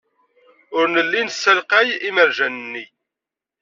Ur nelli nessalqay imerjan-nni.